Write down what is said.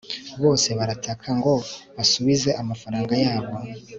bose barataka ngo basubize amafaranga yabo